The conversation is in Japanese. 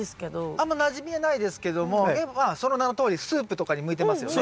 あんまなじみはないですけどもでもまあその名のとおりスープとかに向いてますよね。